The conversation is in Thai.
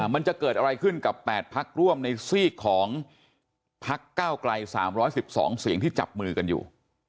มันจะเกิดอะไรขึ้นกับ๘พักร่วมในซีกของพักเก้าไกล๓๑๒เสียงที่จับมือกันอยู่